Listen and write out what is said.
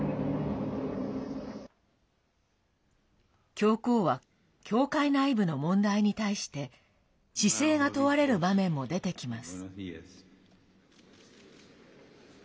教皇は教会内部の問題に対して姿勢が問われる場面も出てきます。